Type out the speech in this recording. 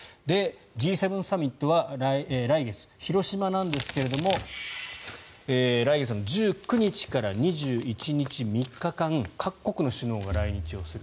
Ｇ７サミットは来月、広島なんですけど来月１９日から２１日、３日間各国の首脳が来日する。